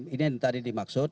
ini yang tadi dimaksud